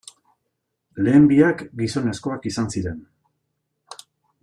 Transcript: Lehen biak, gizonezkoak izan ziren.